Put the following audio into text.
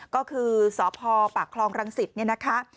ก็คือสพปากคลองรังสิตเนี่ยนะคะ